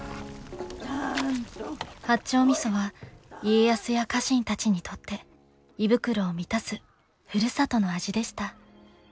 八丁味噌は家康や家臣たちにとって胃袋を満たすふるさとの味でした。